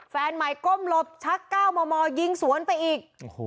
แฟนใหม่ก้มหลบชักเก้าหมอยิงสวนไปอีกโอ้โห